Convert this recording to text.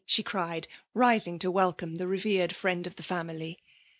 she cried^ rising to welcome the revered friend of the family.